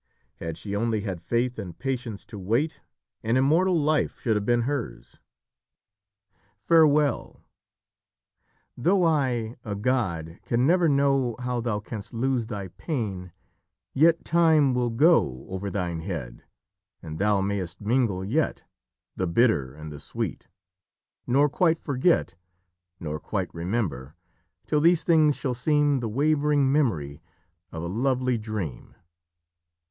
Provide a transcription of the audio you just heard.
Had she only had faith and patience to wait, an immortal life should have been hers. "Farewell! though I, a god, can never know How thou canst lose thy pain, yet time will go Over thine head, and thou mayst mingle yet The bitter and the sweet, nor quite forget, Nor quite remember, till these things shall seem The wavering memory of a lovely dream."